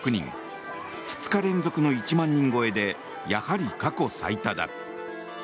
２日連続の１万人超えでやはり過去最多だ。